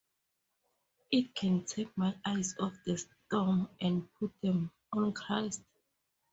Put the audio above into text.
It can take my eyes off the storm and put them on Christ.